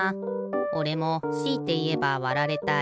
おれもしいていえばわられたい。